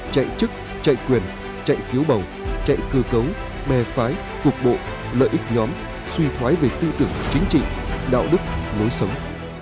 chạy chức chạy quyền chạy phiếu bầu chạy cơ cấu bè phái cục bộ lợi ích nhóm suy thoái về tư tưởng chính trị đạo đức lối sống